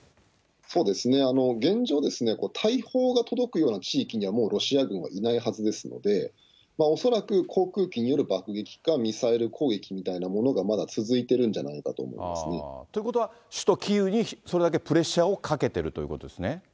そうですね、現状ですね、大砲が届くような地域には、もうロシア軍はいないはずですので、恐らく、航空機による爆撃か、ミサイル攻撃みたいなものがまだ続いているんじゃないかと思いまということは、首都キーウにそれだけプレッシャーをかけてるということですね。